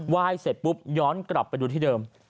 ยเสร็จปุ๊บย้อนกลับไปดูที่เดิม